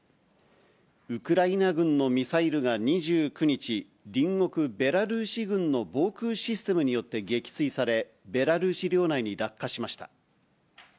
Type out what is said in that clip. ウクライナ軍のミサイルが２９日、隣国ベラルーシ軍の防空システムによって撃墜され、ベラルーシ領内に落下しました。